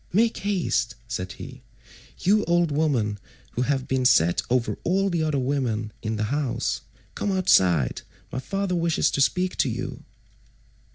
"Make haste," said he, "you old woman who have been set over all the other women in the house. Come outside; my father wishes to speak to you."